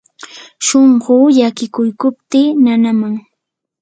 shunquu llakiykupti nanaman.